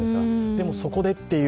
でもそこでっていう。